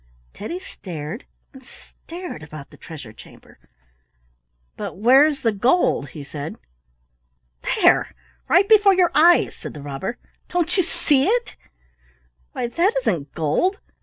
Teddy stared and stared about the treasure chamber. "But where is the gold?" he said. "There, right before your eyes," said the robber. "Don't you see it?" "Why, that isn't gold.